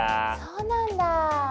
そうなんだ。